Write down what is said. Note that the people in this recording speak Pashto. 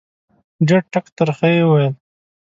ډېر ټک ترخه یې وویل